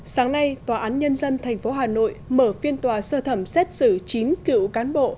sáng nay tòa án nhân dân tp hà nội mở phiên tòa sơ thẩm xét xử chín cựu cán bộ